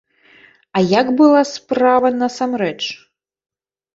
А як была справа насамрэч?